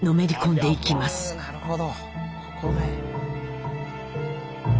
なるほど。